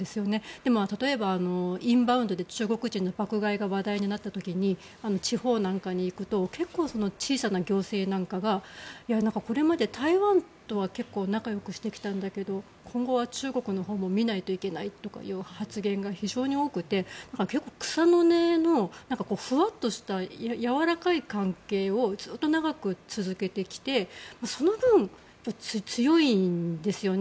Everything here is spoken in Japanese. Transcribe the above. でも、例えばインバウンドで中国人の爆買いが話題になった時に地方なんかに行くと結構、小さな行政なんかがこれまで台湾とは結構、仲よくしてきたんだけど今後は中国のほうも見ないといけないという発言が非常に多くて結構、草の根のフワッとしたやわらかい関係をずっと長く続けてきてその分、強いんですよね。